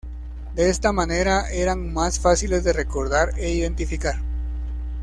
De esta manera eran más fáciles de recordar e identificar.